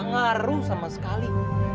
gak ngaruh sama sekali